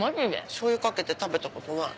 しょうゆかけて食べたことない。